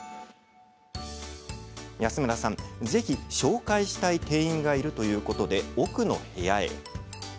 安村さん、ぜひ紹介したい店員がいるということで奥の部屋へ。